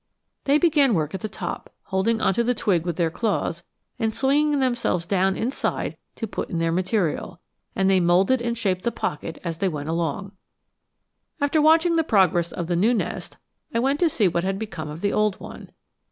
They began work at the top, holding onto the twig with their claws and swinging themselves down inside to put in their material; and they moulded and shaped the pocket as they went along. After watching the progress of the new nest, I went to see what had become of the old one.